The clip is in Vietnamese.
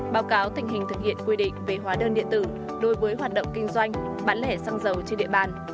báo cáo tình hình thực hiện quy định về hóa đơn điện tử đối với hoạt động kinh doanh bán lẻ xăng dầu trên địa bàn